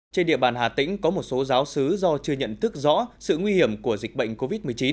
trên địa bàn hà tĩnh có một số giáo sứ do chưa nhận thức rõ sự nguy hiểm của dịch bệnh covid một mươi chín